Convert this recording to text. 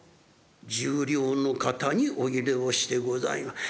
「１０両のカタにお入れをしてございます」。